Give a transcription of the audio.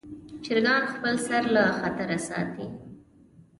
چرګان خپل سر له خطره ساتي.